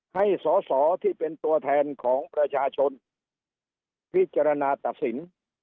ให้สอสอที่เป็นตัวแทนของประชาชนพิจารณาตัดสิน